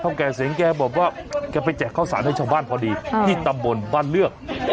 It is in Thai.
แก่เสียงแกบอกว่าแกไปแจกข้าวสารให้ชาวบ้านพอดีที่ตำบลบ้านเลือก